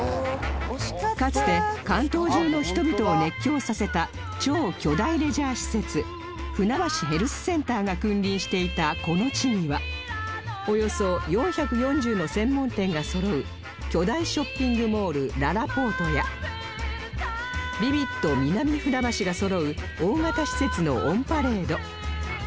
かつて関東中の人々を熱狂させた超巨大レジャー施設船橋ヘルスセンターが君臨していたこの地にはおよそ４４０の専門店がそろう巨大ショッピングモールららぽーとやビビット南船橋がそろう大型施設のオンパレード